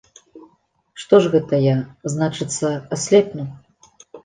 Што ж гэта я, значыцца, аслепну!